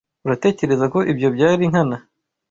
Uratekereza ko ibyo byari nkana?